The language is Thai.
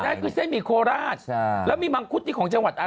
อ๋อนั่นคือเส้นหมี่โคลาสแล้วมีมังคุดอีกของจังหวัดอันไหน